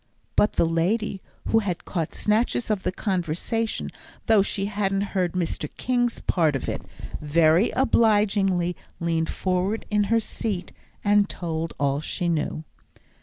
But the lady, who had caught snatches of the conversation, though she hadn't heard Mr. King's part of it, very obligingly leaned forward in her seat and told all she knew.